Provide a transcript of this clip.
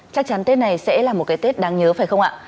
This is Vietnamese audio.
chắc chắn tết này sẽ là một cái tết đáng nhớ phải không ạ